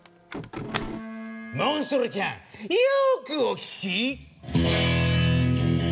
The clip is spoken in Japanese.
モンストロちゃんよくお聴き！